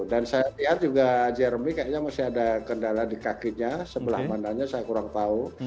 saya lihat juga jermy kayaknya masih ada kendala di kakinya sebelah mananya saya kurang tahu